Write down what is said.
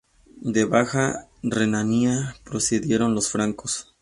De Baja Renania procedieron los francos.